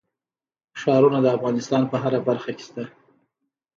ښارونه د افغانستان په هره برخه کې شته.